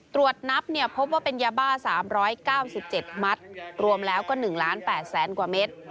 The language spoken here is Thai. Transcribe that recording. ตรวจนับพบว่าเป็นยาบ้า๓๙๗มัตต์รวมแล้วก็๑ล้าน๘แสนกว่าเมตร